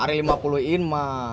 ada lima puluh inch mah